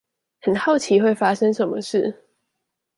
很好奇會發生什麼事